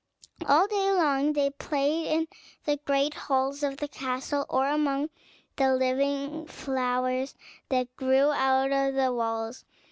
All day long they played in the great halls of the castle, or among the living flowers that grew out of the walls.